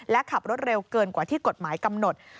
และขับรถเร็วเกินกว่าที่กฎหมายกำหนด